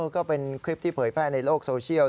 ก็เป็นคลิปที่เผยแพร่ในโลกโซเชียล